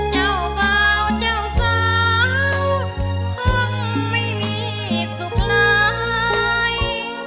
เจ้าบ่าวเจ้าสาวคงไม่มีสุขหลาย